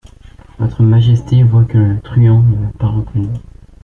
Votre majesté voit que le truand ne m’a pas reconnu.